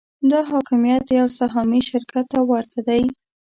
دا حاکمیت یو سهامي شرکت ته ورته دی.